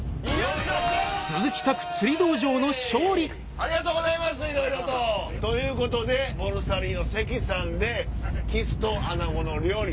ありがとうございますいろいろと。ということでボルサリーノ・関さんでキスとアナゴの料理。